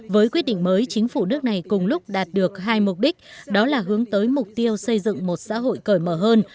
với quyết định mới chính phủ nước này cùng lúc đạt được hai mục đích đó là hướng tới mục tiêu xây dựng một xã hội cởi mở hơn